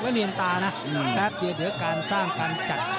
แล้วเนียนตาแป๊บเดี๋ยวกันสร้างการจัด